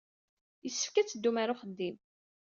Yessefk ad teddum ɣer uxeddim.